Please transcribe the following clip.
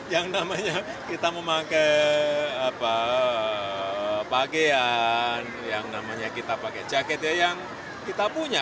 yang namanya kita memakai pakaian yang namanya kita pakai jaket yang kita punya